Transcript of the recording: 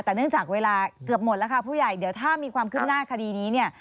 แต่เนื่องจากเวลาเกือบหมดแล้วค่ะผู้ใหญ่เดี๋ยวถ้ามีความคืบหน้าคดีนี้เนี่ย